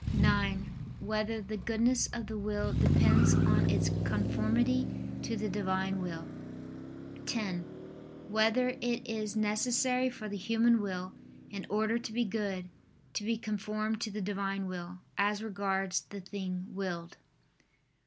(9) Whether the goodness of the will depends on its conformity to the Divine Will? (10) Whether it is necessary for the human will, in order to be good, to be conformed to the Divine Will, as regards the thing willed?